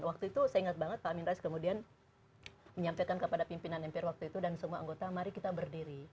waktu itu saya ingat banget pak amin rais kemudian menyampaikan kepada pimpinan mpr waktu itu dan semua anggota mari kita berdiri